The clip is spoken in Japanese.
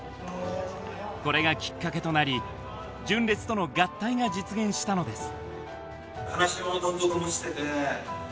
これがきっかけとなり純烈との合体が実現したのです。